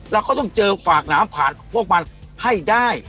เราก็ต้องเจอฝากน้ำผ่านพวกมันให้ได้